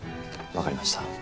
分かりました。